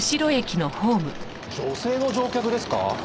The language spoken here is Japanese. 女性の乗客ですか？